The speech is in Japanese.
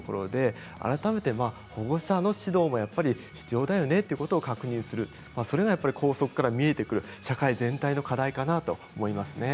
改めて保護者の指導が必要だよねっていうことを確認することそれが校則から見えてくる社会全体の課題だと思います。